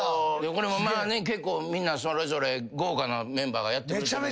これもまあね結構みんなそれぞれ豪華なメンバーがやってくれてるんで。